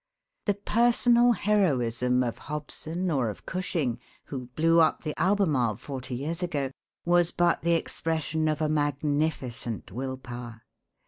The personal heroism of Hobson, or of Cushing, who blew up the "Albemarle" forty years ago, was but the expression of a magnificent will power.